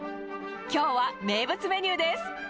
きょうは名物メニューです。